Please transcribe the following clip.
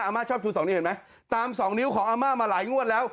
มาชอบชู๒นิ้วเห็นไหมตามสองนิ้วของอาม่ามาหลายงวดแล้ว